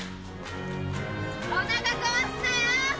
おなか壊すなよ！